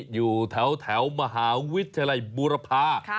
อยู่แถวมหาวิทยาลัยบูรพา